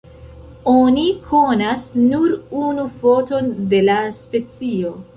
Oni konas nur unu foton de la specio.